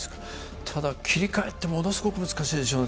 ただ切り替えってものすごく難しいですね。